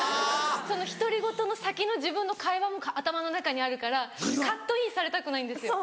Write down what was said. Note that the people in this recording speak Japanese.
その独り言の先の自分の会話も頭の中にあるからカットインされたくないんですよ。